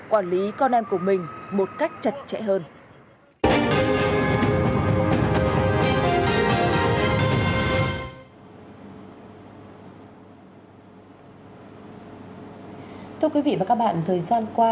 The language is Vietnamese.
quản lý con em của mình một cách chặt chẽ hơn